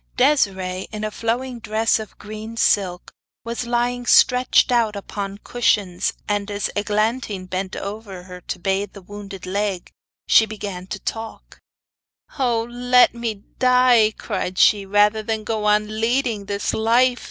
Desiree, in a flowing dress of green silk, was lying stretched out upon cushions, and as Eglantine bent over her to bathe the wounded leg, she began to talk: 'Oh! let me die,' cried she, 'rather than go on leading this life.